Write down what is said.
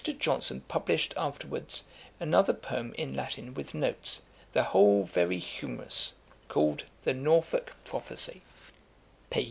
Johnson published afterwds another Poem in Latin with Notes the whole very Humerous call'd the Norfolk Prophecy.